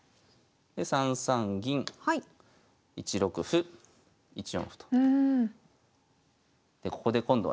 で３三銀１六歩１四歩と。